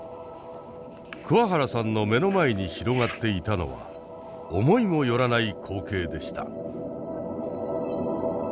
桑原さんの目の前に広がっていたのは思いも寄らない光景でした。